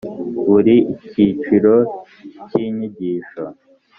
buri cyiciro cy’ inyigisho